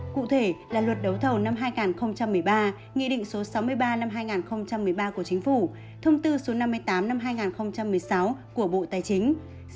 cụ thể là luật đấu thầu năm hai nghìn một mươi ba nghị định số sáu mươi ba năm hai nghìn một mươi ba của chính phủ thông tư số năm mươi tám năm hai nghìn một mươi sáu của bộ tài chính